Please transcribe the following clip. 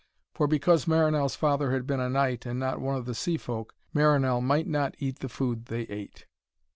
For because Marinell's father had been a knight and not one of the sea folk, Marinell might not eat the food they ate.